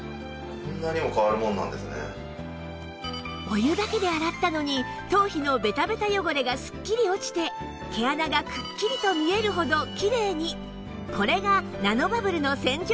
お湯だけで洗ったのに頭皮のベタベタ汚れがすっきり落ちて毛穴がくっきりと見えるほどきれいに！